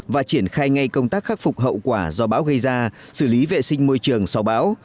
và triển khai ngay công tác khắc phục hậu quả do bão gây ra xử lý vệ sinh môi trường sau bão